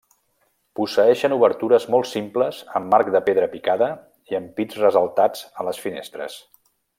Posseeixen obertures molt simples amb marc de pedra picada i ampits ressaltats a les finestres.